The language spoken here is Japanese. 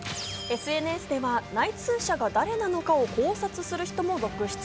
ＳＮＳでは内通者を誰なのか考察する人も続出。